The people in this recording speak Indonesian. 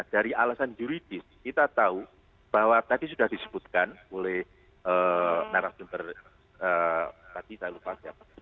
dari alasan yuridis kita tahu bahwa tadi sudah disebutkan oleh narasumber tadi saya lupa siapa